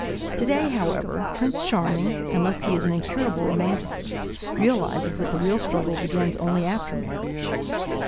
Today, however, Prince Charming, unless he is an incurable romanticist, realizes that the real struggle begins only after marriage.